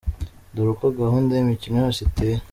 Dore uko gahunda y’imikino yose iteye :